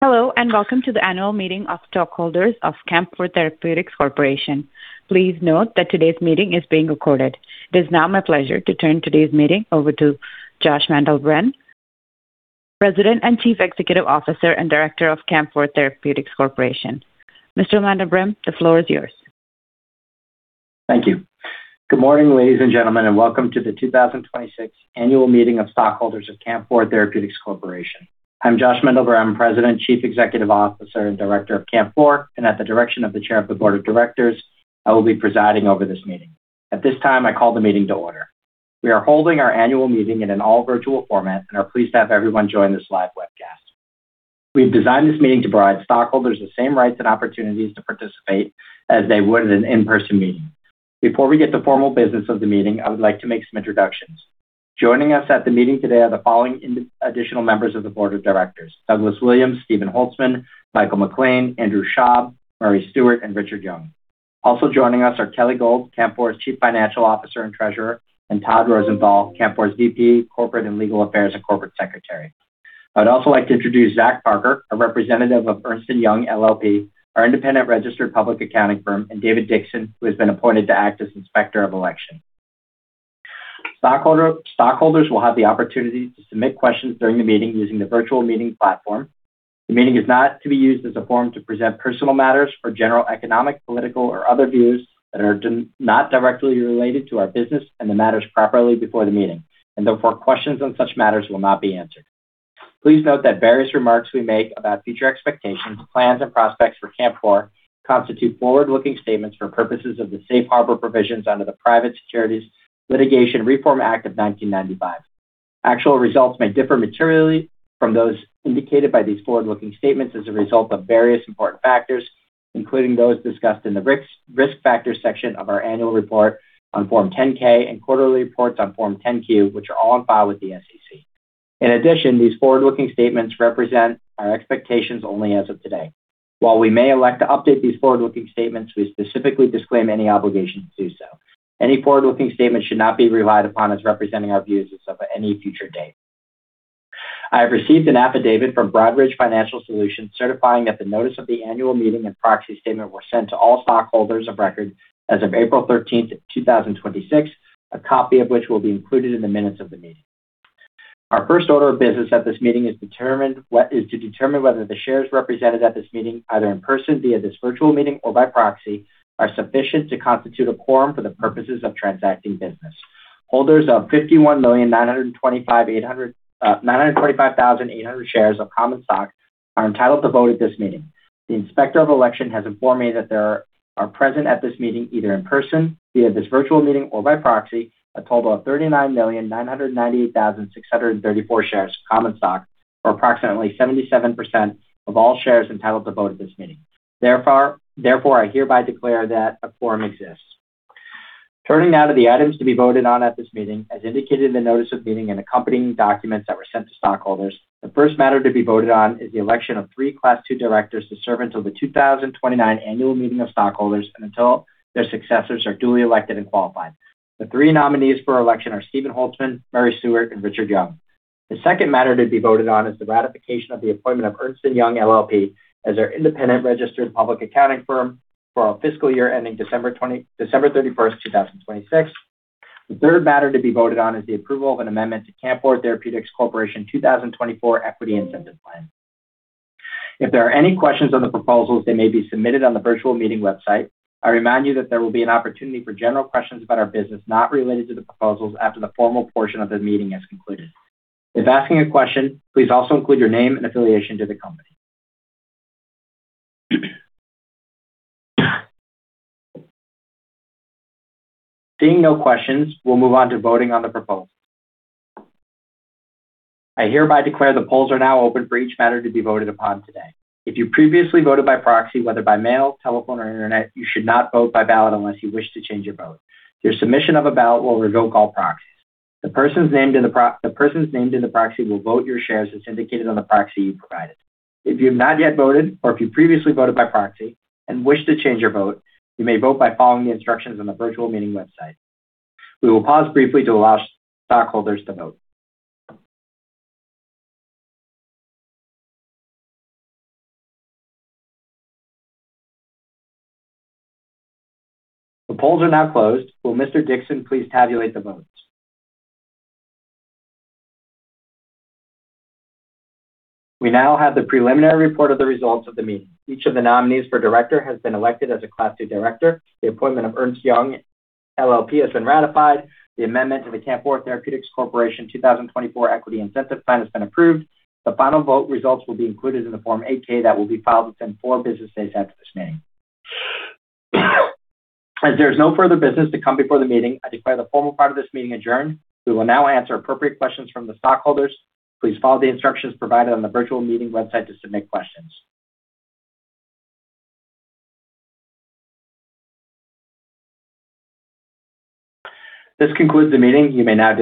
Hello, welcome to the annual meeting of stockholders of Camp4 Therapeutics Corporation. Please note that today's meeting is being recorded. It is now my pleasure to turn today's meeting over to Josh Mandel-Brehm, President, Chief Executive Officer, and Director of Camp4 Therapeutics Corporation. Mr. Mandel-Brehm, the floor is yours. Thank you. Good morning, ladies and gentlemen, welcome to the 2026 annual meeting of stockholders of Camp4 Therapeutics Corporation. I'm Josh Mandel-Brehm, President, Chief Executive Officer, and Director of Camp4, and at the direction of the Chair of the Board of Directors, I will be presiding over this meeting. At this time, I call the meeting to order. We are holding our annual meeting in an all-virtual format and are pleased to have everyone join this live webcast. We've designed this meeting to provide stockholders the same rights and opportunities to participate as they would in an in-person meeting. Before we get to formal business of the meeting, I would like to make some introductions. Joining us at the meeting today are the following additional members of the Board of Directors: Douglas Williams, Steven Holtzman, Michael MacLean, Andrew Schwab, Murray Stewart, and Richard Young. Also joining us are Kelly Gold, Camp4's Chief Financial Officer and Treasurer, and Todd Rosenthal, Camp4's VP, Corporate and Legal Affairs and Corporate Secretary. I'd also like to introduce Zach Parker, a representative of Ernst & Young LLP, our independent registered public accounting firm, and David Dixon, who has been appointed to act as Inspector of Election. Stockholders will have the opportunity to submit questions during the meeting using the virtual meeting platform. The meeting is not to be used as a forum to present personal matters or general economic, political, or other views that are not directly related to our business and the matters properly before the meeting. Therefore, questions on such matters will not be answered. Please note that various remarks we make about future expectations, plans, and prospects for Camp4 constitute forward-looking statements for purposes of the safe harbor provisions under the Private Securities Litigation Reform Act of 1995. Actual results may differ materially from those indicated by these forward-looking statements as a result of various important factors, including those discussed in the Risk Factors section of our annual report on Form 10-K and quarterly reports on Form 10-Q, which are all on file with the SEC. In addition, these forward-looking statements represent our expectations only as of today. While we may elect to update these forward-looking statements, we specifically disclaim any obligation to do so. Any forward-looking statements should not be relied upon as representing our views as of any future date. I have received an affidavit from Broadridge Financial Solutions certifying that the notice of the annual meeting and proxy statement were sent to all stockholders of record as of April 13th, 2026, a copy of which will be included in the minutes of the meeting. Our first order of business at this meeting is to determine whether the shares represented at this meeting, either in person, via this virtual meeting, or by proxy, are sufficient to constitute a quorum for the purposes of transacting business. Holders of 51,925,800 shares of common stock are entitled to vote at this meeting. The Inspector of Election has informed me that there are present at this meeting, either in person, via this virtual meeting, or by proxy, a total of 39,998,634 shares of common stock, or approximately 77% of all shares entitled to vote at this meeting. I hereby declare that a quorum exists. Turning now to the items to be voted on at this meeting, as indicated in the notice of meeting and accompanying documents that were sent to stockholders, the first matter to be voted on is the election of three Class II directors to serve until the 2029 annual meeting of stockholders and until their successors are duly elected and qualified. The three nominees for election are Steven Holtzman, Murray Stewart, and Richard Young. The second matter to be voted on is the ratification of the appointment of Ernst & Young LLP as our independent registered public accounting firm for our fiscal year ending December 31st, 2026. The third matter to be voted on is the approval of an amendment to Camp4 Therapeutics Corporation 2024 Equity Incentive Plan. If there are any questions on the proposals, they may be submitted on the virtual meeting website. I remind you that there will be an opportunity for general questions about our business, not related to the proposals, after the formal portion of the meeting has concluded. If asking a question, please also include your name and affiliation to the company. Seeing no questions, we'll move on to voting on the proposal. I hereby declare the polls are now open for each matter to be voted upon today. If you previously voted by proxy, whether by mail, telephone, or internet, you should not vote by ballot unless you wish to change your vote. Your submission of a ballot will revoke all proxies. The persons named in the proxy will vote your shares as indicated on the proxy you provided. If you have not yet voted or if you previously voted by proxy and wish to change your vote, you may vote by following the instructions on the virtual meeting website. We will pause briefly to allow stockholders to vote. The polls are now closed. Will Mr. Dixon please tabulate the votes? We now have the preliminary report of the results of the meeting. Each of the nominees for director has been elected as a Class II director. The appointment of Ernst & Young LLP has been ratified. The amendment of the Camp4 Therapeutics Corporation 2024 Equity Incentive Plan has been approved. The final vote results will be included in the Form 8-K that will be filed within four business days after this meeting. There is no further business to come before the meeting. I declare the formal part of this meeting adjourned. We will now answer appropriate questions from the stockholders. Please follow the instructions provided on the virtual meeting website to submit questions. This concludes the meeting. You may now disconnect.